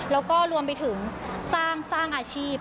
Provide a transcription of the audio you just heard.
แล้วก็รวมไปถึงสร้างอาชีพ